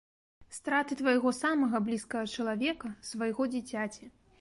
Страты твайго самага блізкага чалавека, свайго дзіцяці.